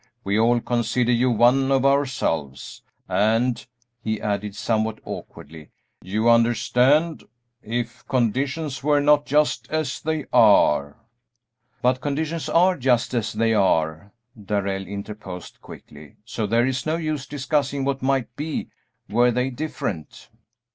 We all consider you one of ourselves, and," he added, somewhat awkwardly, "you understand, if conditions were not just as they are " "But conditions are just as they are," Darrell interposed, quickly, "so there is no use discussing what might be were they different."